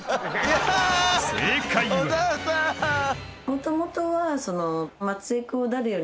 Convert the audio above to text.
もともとは。